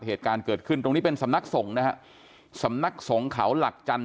เหตุการณ์เกิดขึ้นตรงนี้เป็นสำนักสงฆ์นะฮะสำนักสงฆ์เขาหลักจันท